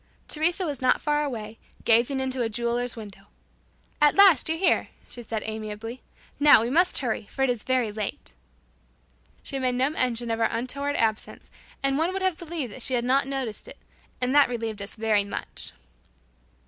Teresa was not far away, gazing into a jeweler's window. "At last, you're here," she said amiably. "Now, we must hurry, for it is very late." She made no mention of our untoward absence and one would have believed that she had not noticed it, and that relieved us very much.